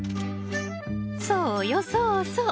そうよそうそう！